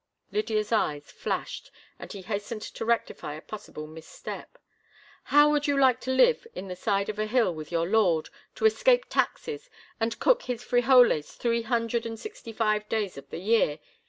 Lydia's eyes flashed, and he hastened to rectify a possible misstep. "How would you like to live in the side of a hill with your lord—to escape taxes—and cook his frijoles three hundred and sixty five days of the year?